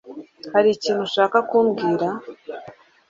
Hari ikintu ushaka kumbwira?